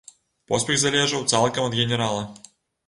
Поспех залежаў цалкам ад генерала.